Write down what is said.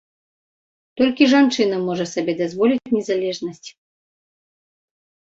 Толькі жанчына можа сябе дазволіць незалежнасць.